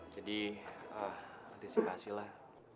jadi nanti sih gak hasil lah